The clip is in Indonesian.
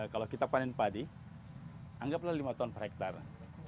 kalau kita panen padi anggaplah lima ton per hektare